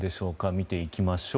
見ていきましょう。